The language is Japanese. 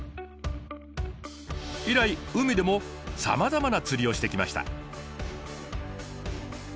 以来海でもさまざまな釣りをしてきました。